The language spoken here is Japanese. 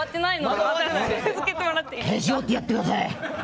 へし折ってやってください！